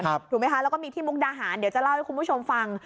ถูกไหมคะแล้วก็มีที่มุกดาหารเดี๋ยวจะเล่าให้คุณผู้ชมฟัง